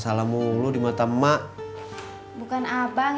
kan ada tati yang nganjelin abang